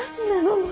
もう！